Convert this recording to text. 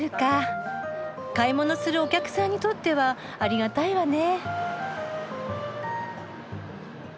買い物するお客さんにとってはありがたいわね。